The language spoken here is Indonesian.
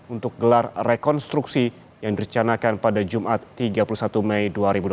untuk gelar rekonstruksi yang direcanakan pada jumat tiga puluh satu mei dua ribu dua puluh